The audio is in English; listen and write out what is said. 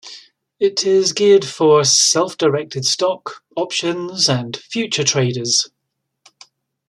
It is geared for self-directed stock, options and futures traders.